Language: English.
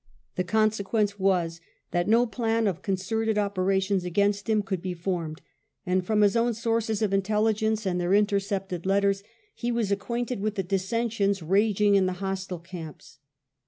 The consequence was that no plan of concerted operations against him could be formed, and from his own sources of intelligence and their intercepted letters he was i64 WELLINGTON acquainted with thedissensions raging in the hostile camps.